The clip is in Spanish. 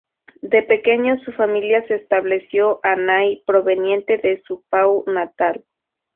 De pequeño, su familia se estableció a Nai, proveniente de su Pau natal.